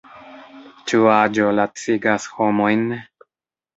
Ĉu aĝo lacigas homojn?